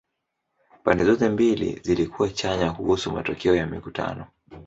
Pande zote mbili zilikuwa chanya kuhusu matokeo ya mikutano.